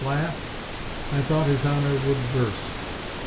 Laugh? I thought His Honor would _burst!